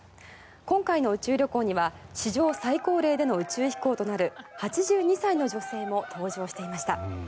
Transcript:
今回の宇宙旅行には史上最高齢での宇宙飛行となる８２歳の女性も搭乗していました。